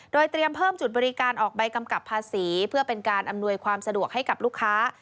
โดยเตรียมเพิ่มจุดบริการออกใบกำกับภาษีเพื่อเป็นการอำนวยความสะดวกให้กับลูกค้า